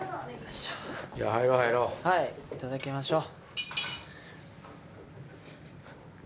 はいいただきましょう。